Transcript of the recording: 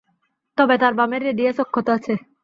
তবে তার বামের রেডিয়াস অক্ষত আছে।